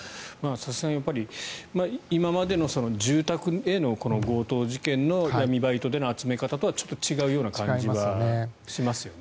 さすがに今までの住宅への強盗事件の闇バイトでの集め方とはちょっと違うような感じはしますよね。